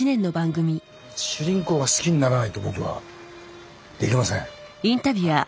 主人公が好きにならないと僕はできません。